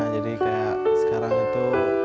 jadi kayak sekarang itu